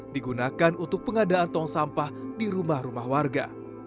digunakan untuk pengadaan tong sampah di rumah rumah warga